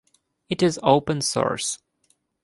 It is open source.